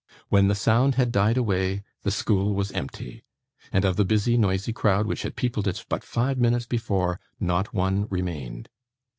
When the sound had died away, the school was empty; and of the busy noisy crowd which had peopled it but five minutes before, not one remained.